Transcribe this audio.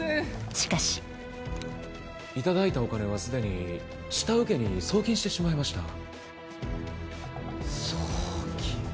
しかしいただいたお金はすでに下請けに送金してしまいました送金